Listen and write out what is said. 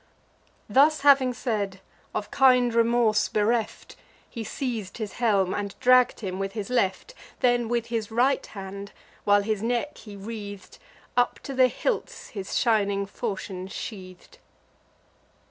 Thus having said, of kind remorse bereft, He seiz'd his helm, and dragg'd him with his left; Then with his right hand, while his neck he wreath'd, Up to the hilts his shining falchion sheath'd.